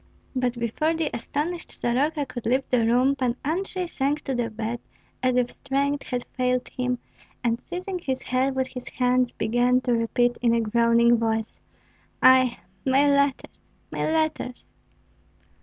But before the astonished Soroka could leave the room Pan Andrei sank to the bed as if strength had failed him, and seizing his head with his hands, began to repeat in a groaning voice, "Ai! my letters, my letters!"